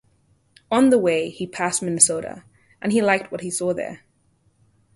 On the way he passed through Minnesota and liked what he saw there.